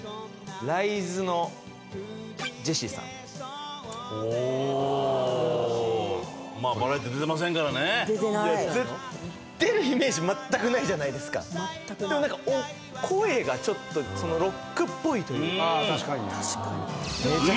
ＲＩＺＥのＪＥＳＳＥさんおおまあバラエティ出てませんからね出てない出るイメージ全くないじゃないですかでも何か声がちょっとそのロックっぽいというか・ああ